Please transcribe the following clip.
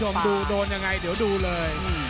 จะดูเลย